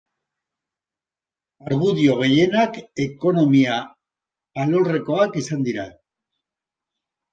Argudio gehienak ekonomia alorrekoak izan dira.